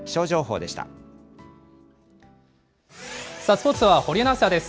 スポーツは堀アナウンサーです。